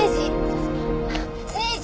誠治。